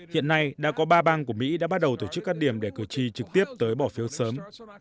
hiện nay đã có ba bang của mỹ đã bắt đầu tổ chức các điểm để cử tri trực tiếp tới bỏ phiếu sớm